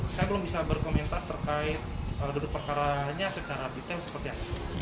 saya belum bisa berkomentar terkait duduk perkaranya secara detail seperti apa